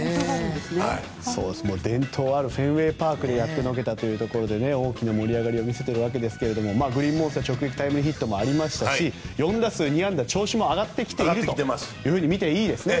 伝統あるフェンウェイパークでやってのけたということで大きな盛り上がりを見せているわけですがグリーンモンスター直撃のタイムリーヒットもありましたし４打数２安打調子も上がってきていると見ていいですね。